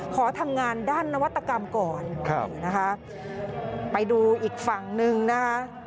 ขอทำงานด้านนวัตกรรมก่อนนี่นะคะไปดูอีกฝั่งหนึ่งนะคะ